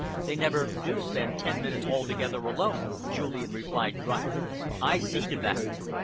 "They never do spend ten minutes together alone," Julian replied drily. "I see to that.